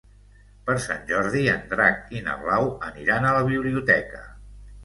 Per Sant Jordi en Drac i na Blau aniran a la biblioteca.